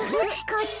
こっち？